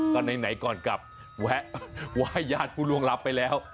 ก็ไหนก่อนกับไว้ญาติผู้ร่วงลำไปแล้ว